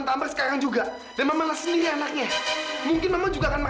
sampai jumpa di video selanjutnya